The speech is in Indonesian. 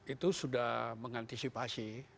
itu sudah mengantisipasi